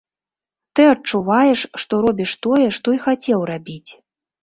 Ты адчуваеш, што робіш тое, што і хацеў рабіць.